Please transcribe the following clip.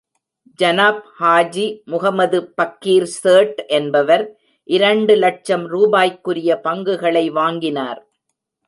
ஜனாப் ஹாஜி முகமது பக்கீர் சேட் என்பவர் இரண்டு லட்சம் ரூபாய்க்குரிய பங்குகளை வாங்கினார்.